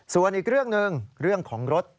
ส่วนอีกเรื่องหนึ่งเรื่องของรถ